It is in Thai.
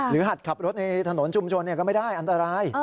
หัดขับรถในถนนชุมชนก็ไม่ได้อันตราย